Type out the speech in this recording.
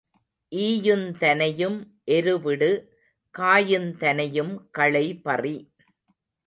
ஈயுந்தனையும் எரு விடு காயுந்தனையும் களை பறி.